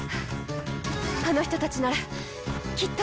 あの人たちならきっと。